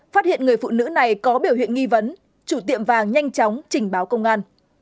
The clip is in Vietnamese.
phát hiện người phụ nữ này có biểu hiện nghi vấn chủ tiệm vàng nhanh chóng trình báo công an